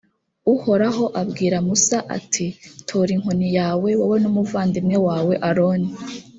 uhoraho abwira musa ati tora inkoni yawe, wowe n’umuvandimwe wawe aroni.